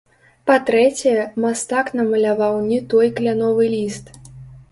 Па-трэцяе, мастак намаляваў не той кляновы ліст.